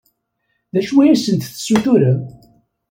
D acu i asent-d-tessutrem?